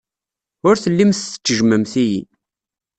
Ur tellimt tettejjmemt-iyi.